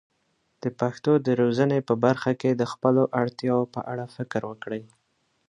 د پښتو د روزنې په برخه کې د خپلو اړتیاوو په اړه فکر وکړي.